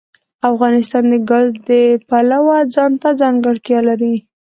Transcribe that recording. افغانستان د ګاز د پلوه ځانته ځانګړتیا لري.